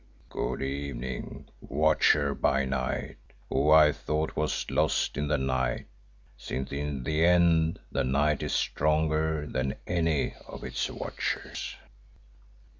"Good evening, Watcher by Night, who I thought was lost in the night, since in the end the night is stronger than any of its watchers."